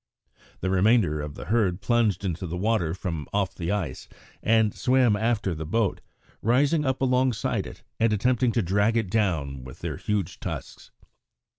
The remainder of the herd plunged into the water from off the ice and swam after the boat, rising up alongside it and attempting to drag it down with their huge tusks.